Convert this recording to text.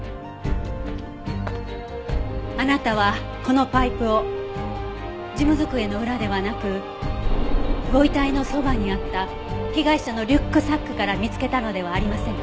あなたはこのパイプを事務机の裏ではなくご遺体のそばにあった被害者のリュックサックから見つけたのではありませんか？